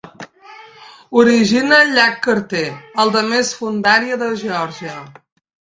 Origina el llac Carter, el de més fondària de Geòrgia.